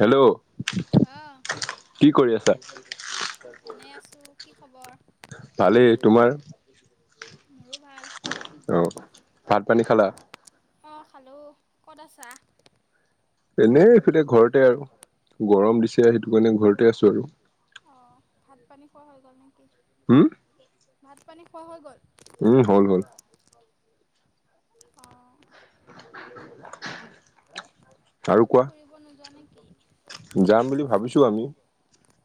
Hello অঁ কি কৰি আছা এনে আছো, কি খবৰ? ভালেই তোমাৰ? মোৰো ভাল অ ভাত পানী খালা? অহ খালো, ক'ত আছা? এনেই ইফালে ঘৰতে আৰু গৰম দিছে সেইটো কাৰণে ঘৰতে আছো আৰু [unintelligible] অঁ ভাত পানী খোৱা হৈ গ'ল নেকি? হুম ভাত পানী খোৱা হৈ গ'ল? উম হ'ল হ'ল। অঁ আৰু ক'তো কোৱা? ফুৰিব নোযোৱা নেকি? যাম বুলি ভাবিছো আমি।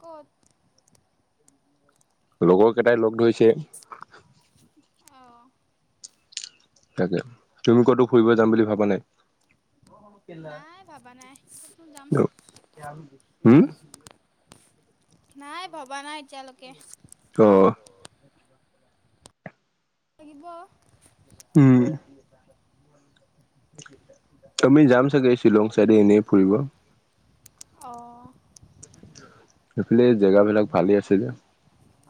ক'ত? লগৰ কেইটাই লগ ধৰিছে। অঁ তাকে তুমি কতো ফুৰিব যাম বুলি ভাবা নাই? নাই ভাবা নাই কতনো যাম। উম নাই ভবা নাই এতিয়ালৈকে অহ লাগিব। উম তুমি যাম চাগে শ্বিলং চাইডে এনেই ফুৰিব। [unintelligible] অ এইফালে জেগাবিলাক ভালেই আছে যে।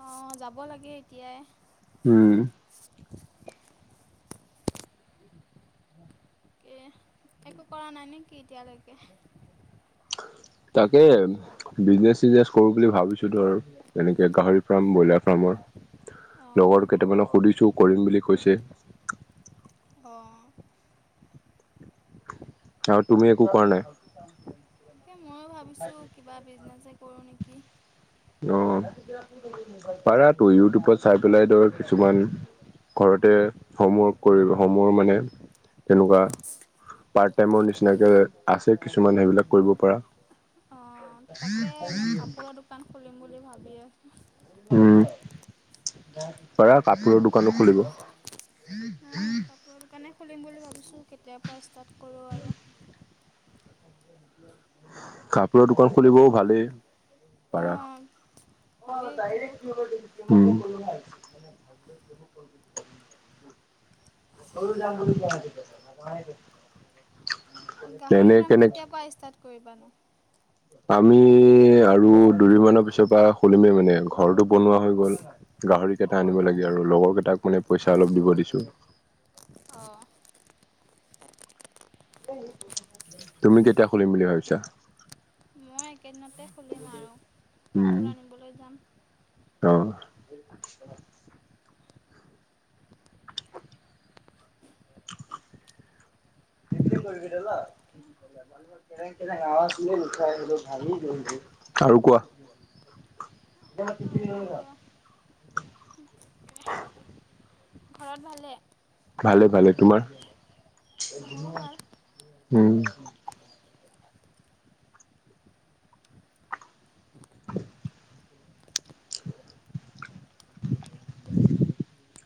অ যাব লাগে এতিয়াই উম এ একো কৰা নাই নেকি এতিয়ালৈকে। তাকে বিজনেচ চিজনেচ কৰো বুলি ভাবিছো ধৰ এনেকে গাহৰি ফাৰ্ম ব্ৰইলাৰ। ৰ অঁ লগৰ কেইটামানক সুধিছো কৰিম বুলি কৈছে। অঁ আৰু তুমি একো কৰাৱা নাই। এ ময়ো ভাবিছো কিবা বিজনেছে কৰো নেকি। অ পাৰা তো ইউটিউবত চাই পেলাই ধৰ কিছুমান। ঘৰতে হোমৱৰ্ক কৰি হোমৰ মানে তেনেকুৱা। পাৰ্ট টাইমৰ নিচিনাকে আছে কিছুমান সেইবিলাক কৰিব পৰা। হম মোৰ কাপোৰৰ দোকান। খুলিম বুলি [unintelligible] ভাবি আছোঁ [inaudible] উম পাৰা কাপোৰৰ দোকানো খুলিব। অঁ কাপোৰৰ [unintelligible] দোকানে খুলিম বুলি ভাবিছোঁ কেতিয়াৰ পৰা ষ্টাৰ্ট কৰোঁ? আৰু কাপোৰৰ দোকান খুলিবও ভালেই। পাৰ অঁ অ ভালেই এতিয়া ডাইৰে। মানে ভালৰেবো। যাম। গাহৰি ফাৰ্ম কেতিয়া পা ষ্টাৰ্ট কৰিবা নো। আমি আৰু দুদিনমানৰ পিছৰ পৰা খলিমেই মানে ঘৰটো বনোৱা হৈ গ'ল। গাহৰি কেইটা আনিব লাগে আৰু লগৰ কেইটাক মানে পইচা অলপ দিব দিছো? আহ তুমি কেতিয়া খুলিম বুলি ভাবিছা? মই একেদিনতে খুলিম আৰু কাপোৰ আনিবলৈ যাম। অহ [unintelligible] দ কে কেৰে গৱ চে লুকাই আহিলো ভাঙি গৈ। [unintelligible] আৰু কোৱা। [unintelligible] এ আৰু প। [unintelligible] [unintelligible] ঘৰত ভালে। ভালে ভালে তোমাৰ মোৰো ভাল উম। [unintelligible] [unintelligible]